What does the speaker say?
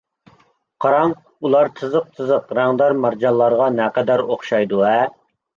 قاراڭ، ئۇلار تىزىق-تىزىق رەڭدار مارجانلارغا نەقەدەر ئوخشايدۇ-ھە!